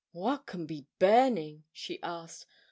"What can be burning?" she asked.